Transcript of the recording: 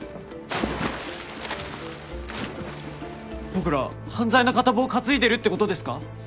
僕ら犯罪の片棒を担いでるってことですか？